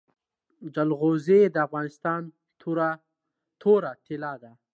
جلغوزي د افغانستان توره طلا ده